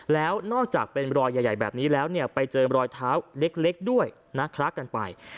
แล้วนอกจากเป็นรอยใหญ่แบบนี้แล้วเนี่ยไปเจอรอยเท้าเล็กด้วยนะคลักกันไป